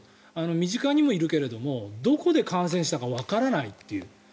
身近にもいるけどどこかで感染したかわからないという。